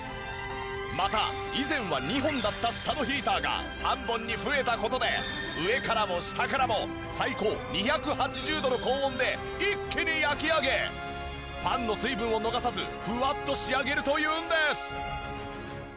また以前は２本だった下のヒーターが３本に増えた事で上からも下からも最高２８０度の高温で一気に焼き上げパンの水分を逃さずフワッと仕上げるというんです！